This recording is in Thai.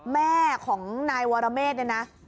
แม่ของนายวรเมฆเนี่ยนะ